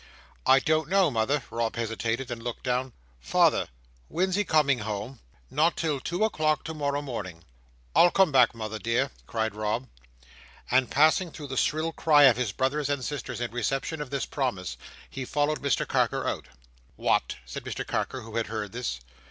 "I don't know, mother." Rob hesitated, and looked down. "Father—when's he coming home?" "Not till two o'clock to morrow morning." "I'll come back, mother dear!" cried Rob. And passing through the shrill cry of his brothers and sisters in reception of this promise, he followed Mr Carker out. "What!" said Mr Carker, who had heard this.